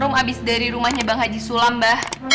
rom abis dari rumahnya bang haji sulam bah